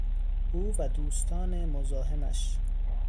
او و دوستان مزاحمش